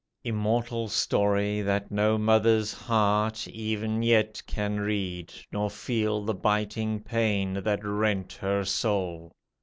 "_ Immortal story that no mother's heart Ev'n yet can read, nor feel the biting pain That rent her soul!